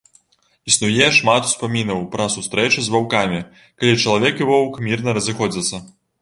Існуе шмат успамінаў пра сустрэчы з ваўкамі, калі чалавек і воўк мірна разыходзяцца.